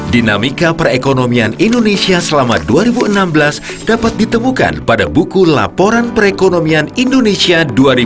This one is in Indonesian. dinamika perekonomian indonesia selama dua ribu enam belas dapat ditemukan pada buku laporan perekonomian indonesia dua ribu dua puluh